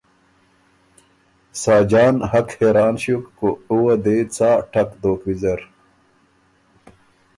ساجان حق حېران ݭیوک که او وه دې څا ټک دوک ویزر۔